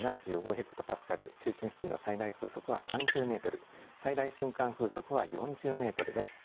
ヘクトパスカル中心付近の最大風速は３０メートル、最大瞬間風速は４０メートルです。